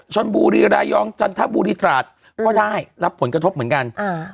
ชนบุรีรายองจันทบุรีตราดก็ได้รับผลกระทบเหมือนกันอ่า